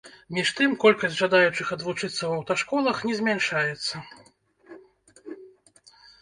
Між тым, колькасць жадаючых адвучыцца ў аўташколах не змяншаецца.